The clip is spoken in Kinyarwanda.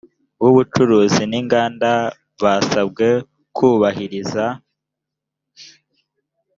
w ubucuruzi n inganda basabwe kubahiriza